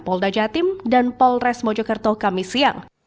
pol dajatim dan polres mojokerto kamis siang